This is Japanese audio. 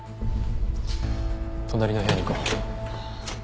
隣の部屋に行こう。